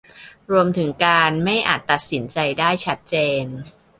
รวมถึงการไม่อาจจะตัดสินใจได้ชัดเจน